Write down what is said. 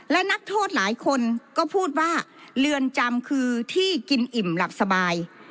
และนักโทษหลายคนก็พูดว่าเรือนจำคือที่กินอิ่มหลับสบาย